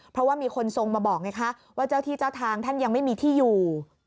เพราะว่ามีคนทรงมาบอกไงคะว่าเจ้าที่เจ้าทางท่านยังไม่มีที่อยู่